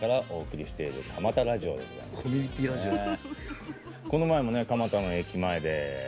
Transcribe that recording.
コミュニティーラジオだ。